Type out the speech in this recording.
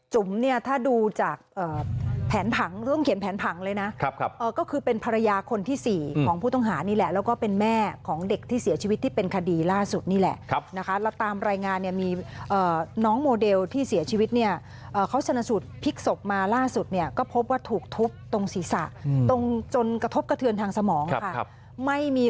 เนี่ยถ้าดูจากแผนผังเรื่องเขียนแผนผังเลยนะก็คือเป็นภรรยาคนที่๔ของผู้ต้องหานี่แหละแล้วก็เป็นแม่ของเด็กที่เสียชีวิตที่เป็นคดีล่าสุดนี่แหละนะคะแล้วตามรายงานเนี่ยมีน้องโมเดลที่เสียชีวิตเนี่ยเขาชนะสูตรพลิกศพมาล่าสุดเนี่ยก็พบว่าถูกทุบตรงศีรษะตรงจนกระทบกระเทือนทางสมองค่ะไม่มี